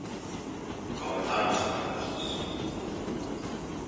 Comezaron as conversas.